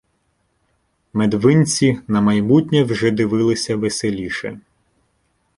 Медвинці на майбутнє вже дивилися веселіше.